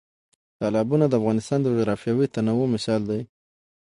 تالابونه د افغانستان د جغرافیوي تنوع مثال دی.